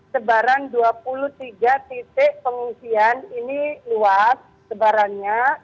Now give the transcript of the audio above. sebaran dua puluh tiga titik pengungsian ini luas sebarannya